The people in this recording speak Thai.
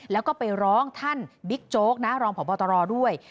แล้วก็ไปร้องท่านบิ๊กโจ๊กนะรองพบตรด้วย